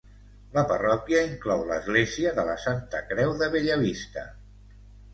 La parròquia inclou l'església de la Santa Creu de Bellavista.